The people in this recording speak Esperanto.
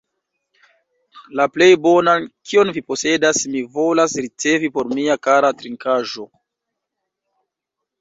La plej bonan, kion vi posedas, mi volas ricevi por mia kara trinkaĵo!